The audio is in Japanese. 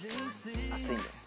熱いんで。